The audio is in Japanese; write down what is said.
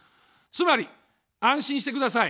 つまり、安心してください。